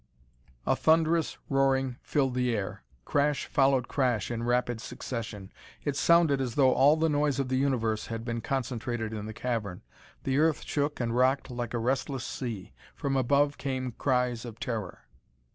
A thunderous roaring filled the air. Crash followed crash in rapid succession. It sounded as though all the noise of the universe had been concentrated in the cavern. The earth shook and rocked like a restless sea. From above came cries of terror.